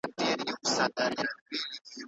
ولې افغان سوداګر خوراکي توکي له ازبکستان څخه واردوي؟